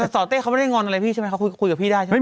สอเต้เขาไม่ได้งอนอะไรพี่ใช่ไหมเขาคุยกับพี่ได้ใช่ไหม